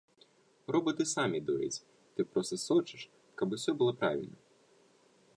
Робаты самі дояць, ты проста сочыш, каб было ўсё правільна.